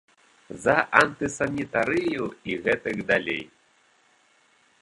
За антысанітарыю і гэтак далей.